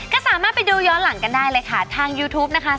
ก็สามารถไปดูย้อนหลังกันได้เลยค่ะทางยูทูปนะคะ